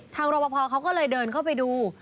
ทางรบพเขาก็เลยเดินเข้าไปดู